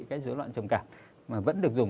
cái dối loạn trầm cảm mà vẫn được dùng